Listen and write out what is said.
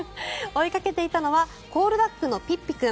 追いかけていたのはコールダックのピッピ君。